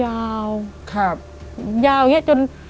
ยาวยาวอย่างนี้จน